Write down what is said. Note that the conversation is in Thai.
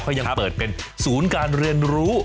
เขายังเปิดเป็นศูนย์การเรียนรู้